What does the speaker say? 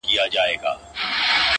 د کيسې دردناک اثر لا هم ذهن کي پاتې,